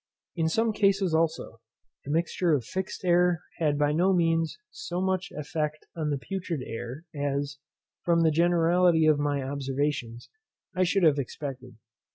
In some cases also the mixture of fixed air had by no means so much effect on the putrid air as, from the generality of my observations, I should have expected.